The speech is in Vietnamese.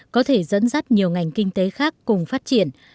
có thể dẫn dắt nhiều ngành kinh tế khác cùng phát triển